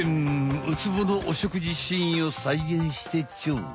ウツボのおしょくじシーンを再現してちょ！